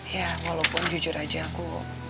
ya walaupun jujur aja aku